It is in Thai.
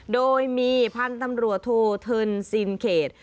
โดยมีพันธุ์ตำรวจโทเทินซินเขต